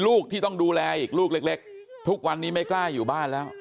ลูกที่ต้องดูแลอีกลูกเล็กทุกวันนี้ไม่กล้าอยู่บ้านแล้ว